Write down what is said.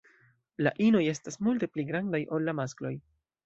La inoj estas multe pli grandaj ol la maskloj.